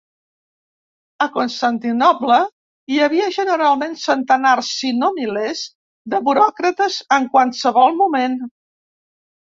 A Constantinoble n'hi havia generalment centenars, si no milers, de buròcrates en qualsevol moment.